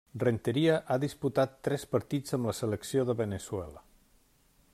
Rentería ha disputat tres partits amb la selecció de Veneçuela.